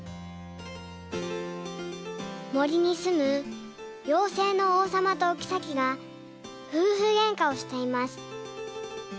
もりにすむようせいのおうさまとおきさきがふうふげんかをしています。